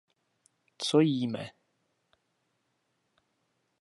Co jíme?